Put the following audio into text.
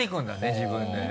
自分でね。